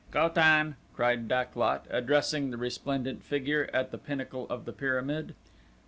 "Ko tan!" cried Dak lot, addressing the resplendent figure at the pinnacle of the pyramid.